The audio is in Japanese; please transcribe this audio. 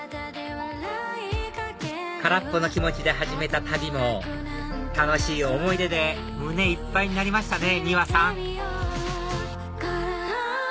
空っぽの気持ちで始めた旅も楽しい思い出で胸いっぱいになりましたね